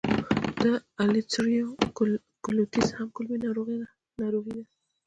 د السرېټیو کولیټس هم کولمې ناروغي ده.